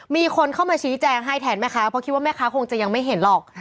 มีคนเข้ามาชี้แจงให้แทนแม่ค้าเพราะคิดว่าแม่ค้าคงจะยังไม่เห็นหรอก